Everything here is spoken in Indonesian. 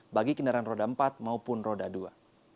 bagi kendaraan roda empat maupun roda dua